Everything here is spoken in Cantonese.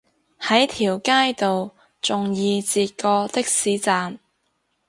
喺條街度仲易截過的士站